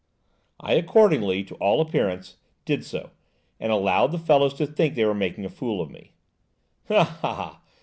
I accordingly, to all appearance, did so, and allowed the fellows to think they were making a fool of me." "Ha! ha!